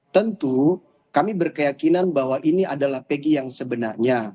tentu kami berkeyakinan bahwa ini adalah pg yang sebenarnya